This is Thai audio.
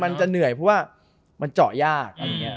มันจะเหนื่อยเพราะว่ามันเจาะยาก